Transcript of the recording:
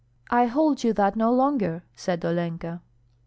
"I hold you that no longer," said Olenka.